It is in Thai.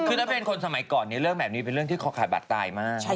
คือถ้าเป็นคนสมัยก่อนเนี่ยเรื่องแบบนี้เป็นเรื่องที่คอขาดบัตรตายมาก